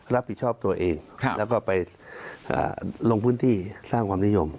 รับผิดชอบตัวเองแล้วก็ไปลงพื้นที่สร้างความนิยม